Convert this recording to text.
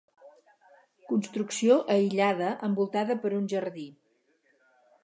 Construcció aïllada envoltada per un jardí.